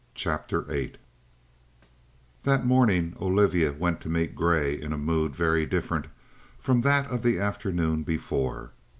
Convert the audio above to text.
CHAPTER VIII That morning Olivia went to meet Grey in a mood very different from that of the afternoon before.